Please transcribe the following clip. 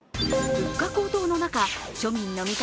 物価高騰の中、庶民の味方